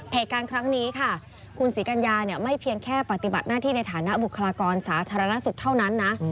เหตุการณ์ครั้งนี้ค่ะคุณศรีกัญญาเนี่ยไม่เพียงแค่ปฏิบัติหน้าที่ในฐานะบุคลากรสาธารณสุขเท่านั้นนะ